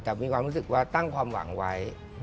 แต่มีความรู้สึกว่าตั้งความหวังไว้